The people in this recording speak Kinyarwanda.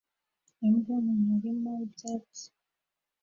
Imbwa mu murima w'ibyatsi